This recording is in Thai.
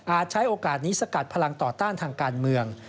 ใช้โอกาสนี้สกัดพลังต่อต้านทางการเมือง